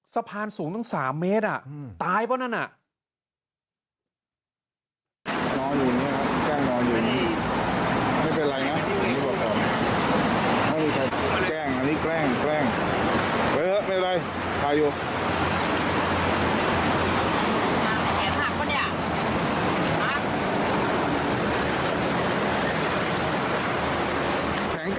สะพานสูงตั้ง๓เมตรตายเปล่านั่น